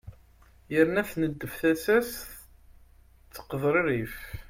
yerna tneddef tasa-s tettqeḍririf